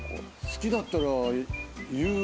好きだったら言う。